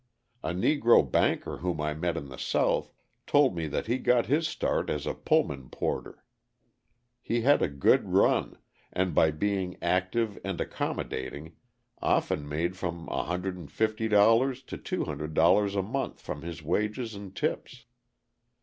A Negro banker whom I met in the South told me that he got his start as a Pullman porter. He had a good run, and by being active and accommodating, often made from $150 to $200 a month from his wages and tips.